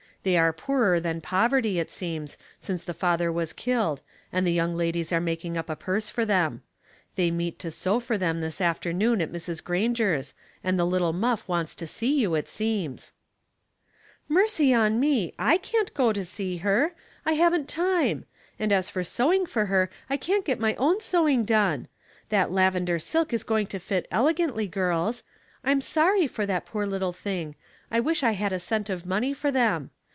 They are poorer than poverty, it seems, since tlie father was killed, and the young ladies are making up a purse for them. They meet to sew for them this afternoon at Mrs. Granger's, and the little muff wants to sea you, it seems." 166 Household Puzzles, " Mercy on me !/ can't go to see her. 1 haven't time ; and as for sewing for her I can't get my own sewing done. That lavender silk is going to fit elegantly, girls. I'm soiry for that poor little thing. I wisli I had a cent of money for them.